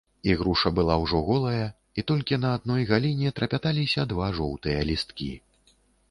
Ігруша была ўжо голая, і толькі на адной галіне трапяталіся два жоўтыя лісткі.